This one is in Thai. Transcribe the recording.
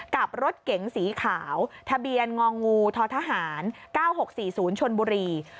กับรถเก๋งสีขาวทะเบียนงองูททหาร๙๖๔๐ชนบุรี